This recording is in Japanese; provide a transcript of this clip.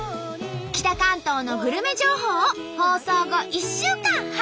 北関東のグルメ情報を放送後１週間配信中！